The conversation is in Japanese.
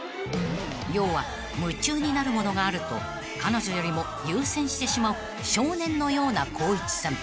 ［要は夢中になるものがあると彼女よりも優先してしまう少年のような光一さん］